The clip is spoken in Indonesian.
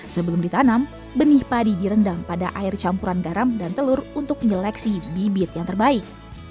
sebelum ditanam benih padi direndam pada air campuran garam dan telur untuk menyeleksi bibit yang terbaik